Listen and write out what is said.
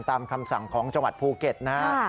ตามคำสั่งของจังหวัดภูเก็ตนะฮะ